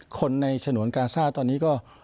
คนในฉนวนกาซ่าตอนนี้ก็